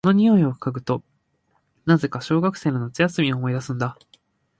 この匂いを嗅ぐと、なぜか小学生の夏休みを思い出すんだ。